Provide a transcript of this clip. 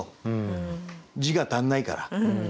字が足んないから。